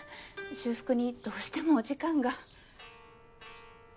修復にどうしてもお時間が。